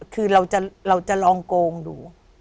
คือเราจะลองโกงดู